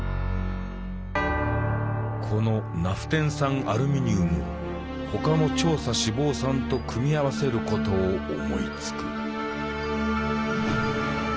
このナフテン酸アルミニウムを他の長鎖脂肪酸と組み合わせることを思いつく。